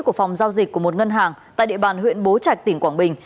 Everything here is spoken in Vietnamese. của phòng giao dịch của một ngân hàng tại địa bàn huyện bố trạch tỉnh quảng bình